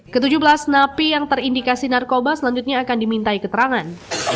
ke tujuh belas napi yang terindikasi narkoba selanjutnya akan dimintai keterangan